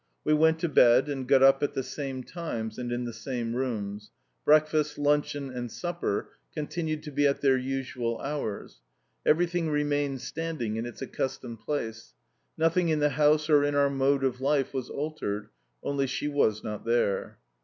We went to bed and got up at the same times and in the same rooms; breakfast, luncheon, and supper continued to be at their usual hours; everything remained standing in its accustomed place; nothing in the house or in our mode of life was altered: only, she was not there.